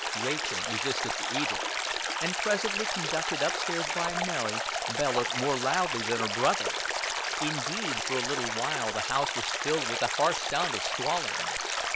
Rachel resisted the edict, and, presently conducted up stairs by Mary, bellowed more loudly than her brother; indeed for a little while the house was filled with the harsh sound of squalling.